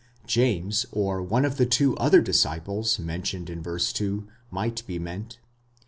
James, or the one of the ¢wo other disciples mentioned in v. 2, might be meant.